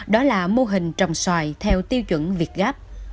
đó là mô hình trồng xoài theo tiêu chuẩn việt gáp